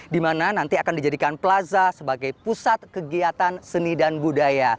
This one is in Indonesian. di mana nanti akan dijadikan plaza sebagai pusat kegiatan seni dan budaya